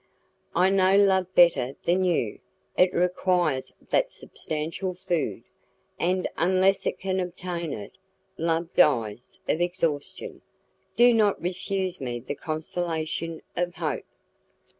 "I know love better than you; it requires that substantial food, and unless it can obtain it, love dies of exhaustion. Do not refuse me the consolation of hope."